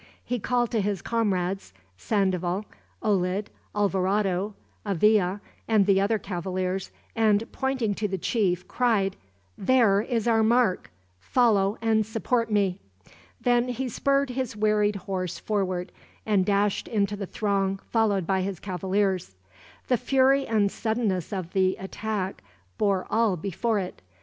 He called to his comrades Sandoval, Olid, Alvarado, Avila, and the other cavaliers and pointing to the chief, cried: "There is our mark! Follow, and support me." Then he spurred his wearied horse forward, and dashed into the throng, followed by his cavaliers. The fury and suddenness of the attack bore all before it.